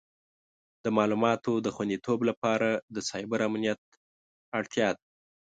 د معلوماتو د خوندیتوب لپاره د سایبر امنیت اړتیا ده.